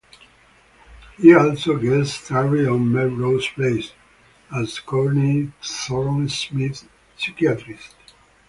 He also guest starred on "Melrose Place" as Courtney Thorne-Smith's psychiatrist.